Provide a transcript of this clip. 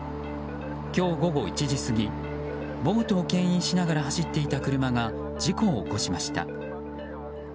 今日午後１時過ぎボートをけん引しながら走っていた車が事故を起こしました。